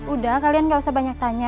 udah kalian gak usah banyak tanya